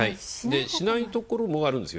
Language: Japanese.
しないところもあるんですよ。